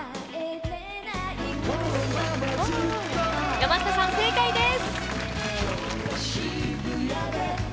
山下さん、正解です。